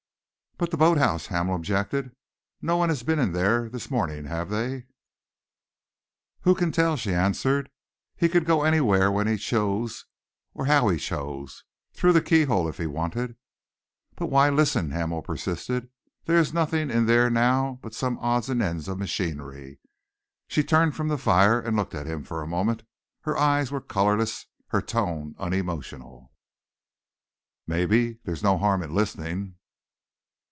"But the boat house," Hamel objected. "No one has been in there his morning, have they?" "Who can tell?" she answered. "He could go anywhere when he chose, or how he chose through the keyhole, if he wanted." "But why listen?" Hamel persisted. "There is nothing in there now but some odds and ends of machinery." She turned from the fire and looked at him for a moment. Her eyes were colourless, her tone unemotional. "Maybe! There's no harm in listening."